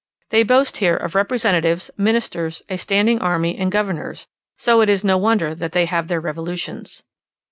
They boast here of representatives, ministers, a standing army, and governors: so it is no wonder that they have their revolutions.